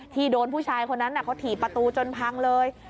โดนผู้ชายคนนั้นเขาถีบประตูจนพังเลย